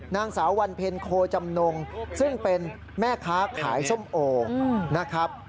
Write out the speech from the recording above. นางสาววันเพ็ญโคจำนงซึ่งเป็นแม่ค้าขายส้มโอนะครับ